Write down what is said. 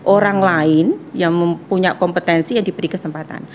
orang lain yang mempunyai kompetensi yang diberi kesempatan